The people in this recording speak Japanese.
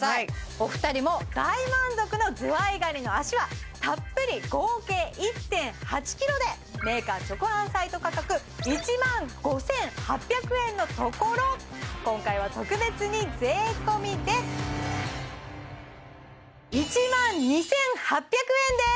お二人も大満足のズワイガニの脚はたっぷり合計１．８ｋｇでメーカー直販サイト価格１万５８００円のところ今回は特別に税込で１万２８００円です！